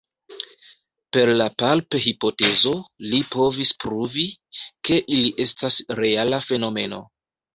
Per la palp-hipotezo li povis pruvi, ke ili estas reala fenomeno.